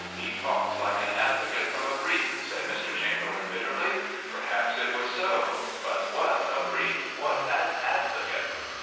" He talks like an advocate from a brief," said Mr. Chamberlain bitterly. Perhaps it was so. But what a brief! What an advocate!